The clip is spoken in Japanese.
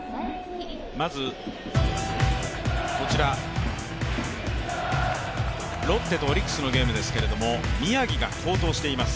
まずこちら、ロッテとオリックスのゲームですけれども宮城が好投しています。